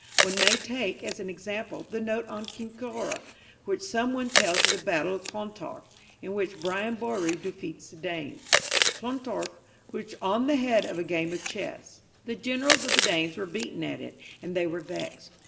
One may take, as an example, the note on Kincora, where some one tells of the Battle of Clontarf, in which Brian Boru defeated the Danes: Clontarf was on the head of a game of chess. The generals of the Danes were beaten at it, and they were vexed.